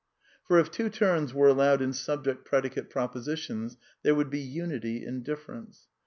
For if two terms were allowed in subject predicate propo sitions there would be unity in difference.